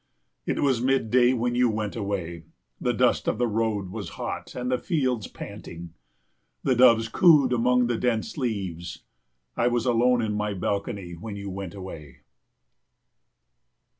It was mid day when you went away. The dust of the road was hot and the fields panting. The doves cooed among the dense leaves. I was alone in my balcony when you went away.